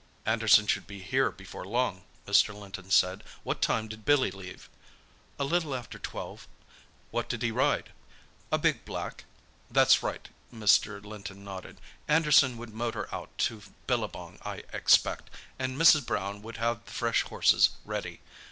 "Anderson should be here before long," Mr. Linton said. "What time did Billy leave?" "A little after twelve." "What did he ride?" "A big black." "That's right," Mr. Linton nodded. "Anderson would motor out to Billabong, I expect, and Mrs. Brown would have the fresh horses ready.